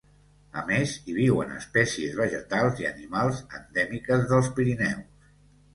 A més, hi viuen espècies vegetals i animals endèmiques dels Pirineus.